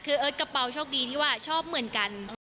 คือเอิร์ทกระเป๋าโชคดีที่ว่าชอบเหมือนกัน